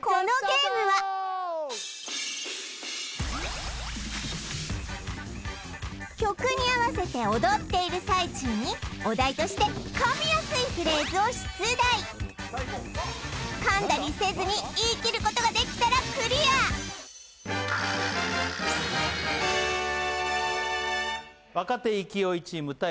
このゲームは曲に合わせて踊っている最中にお題として噛みやすいフレーズを出題噛んだりせずに言い切ることができたらクリア若手勢いチーム対